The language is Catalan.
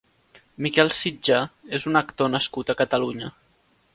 Miquel Sitjar és un actor nascut a Catalunya.